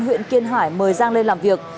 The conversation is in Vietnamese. huyện kiên hải mời giang lên làm việc